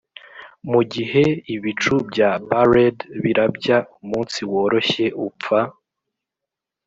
mugihe ibicu bya barrèd birabya umunsi woroshye-upfa